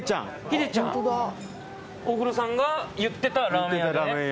秀ちゃん大黒さんが言ってたラーメン屋だね